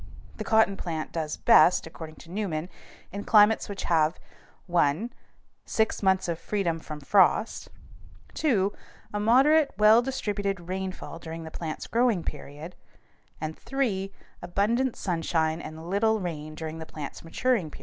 The cotton plant does best, according to Newman, in climates which have (1) six months of freedom from frost; (2) a moderate, well distributed rainfall during the plant's growing period; and (3) abundant sunshine and little rain during the plant's maturing period.